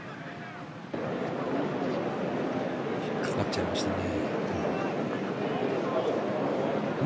引っかかっちゃいましたね。